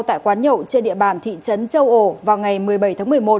tại quán nhậu trên địa bàn thị trấn châu ổ vào ngày một mươi bảy tháng một mươi một